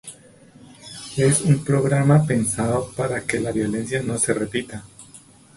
Es un programa pensado para que la violencia no se repita.